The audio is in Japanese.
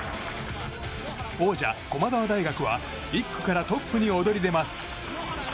王者・駒澤大学は１区からトップに躍り出ます。